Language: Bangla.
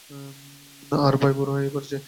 আর ভাই, বুড়ো হয়ে পড়েছি।